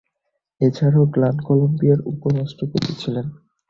এছাড়াও গ্রান কলম্বিয়ার উপ-রাষ্ট্রপতি ছিলেন।